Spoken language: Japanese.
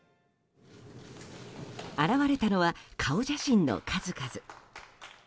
現れたのは顔写真の数々。